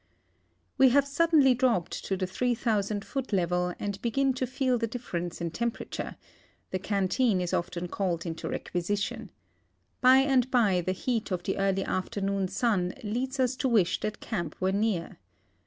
We have suddenly dropped to the 3,000 foot level, and begin to feel the difference in temperature; the canteen is often called into requisition. By and by the heat of the early afternoon sun leads us to wish that camp were near.